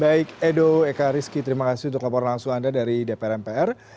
baik edo ekariski terima kasih untuk laporan langsung anda dari dpr mpr